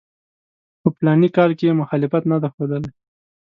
په فلاني کال کې یې مخالفت نه دی ښودلی.